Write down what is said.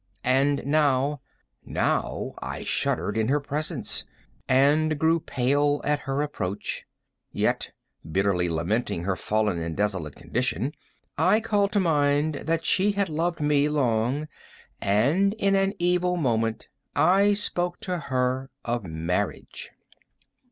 And now—now I shuddered in her presence, and grew pale at her approach; yet, bitterly lamenting her fallen and desolate condition, I called to mind that she had loved me long, and, in an evil moment, I spoke to her of marriage.